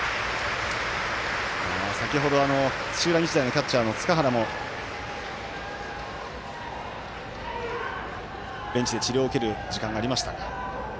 先ほど土浦日大のキャッチャーの塚原もベンチで治療を受ける時間がありましたが。